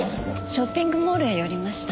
ショッピングモールへ寄りました。